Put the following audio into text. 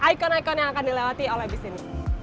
icon icon yang akan dilewati oleh bis ini